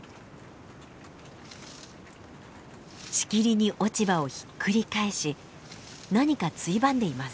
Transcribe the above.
しきりに落ち葉をひっくり返し何かついばんでいます。